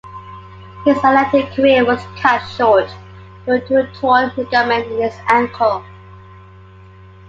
His athletic career was cut short due to a torn ligament in his ankle.